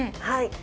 はい。